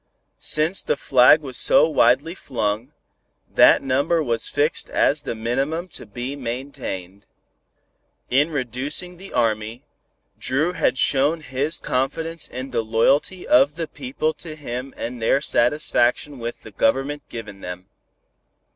Since the flag was so widely flung, that number was fixed as the minimum to be maintained. In reducing the army, Dru had shown his confidence in the loyalty of the people to him and their satisfaction with the government given them.